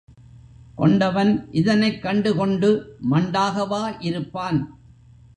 கொண்டவன் இதனைக் கண்டுகொண்டு மண்டாகவா இருப்பான்?